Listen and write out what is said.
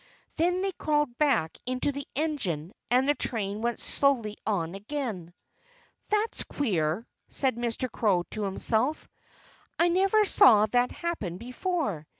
Then they crawled back into the engine; and the train went slowly on again. "That's queer!" said Mr. Crow to himself. "I never saw that happen before.